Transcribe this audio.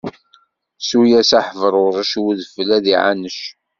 Ssu-yas a Ḥebrurec, i udfel ad iɛanec.